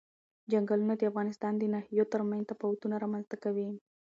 چنګلونه د افغانستان د ناحیو ترمنځ تفاوتونه رامنځ ته کوي.